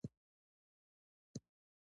د بواسیر د درد لپاره په ګرمو اوبو کینئ